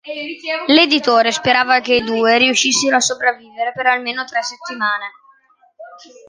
L'editore sperava che i due riuscissero a sopravvivere per almeno tre settimane.